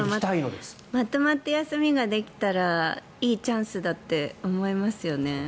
でもまとまった休みができたらいいチャンスだって思いますよね。